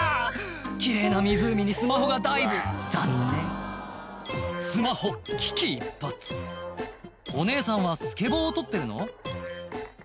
奇麗な湖にスマホがダイブ残念スマホ危機一髪お姉さんはスケボーを撮ってるの？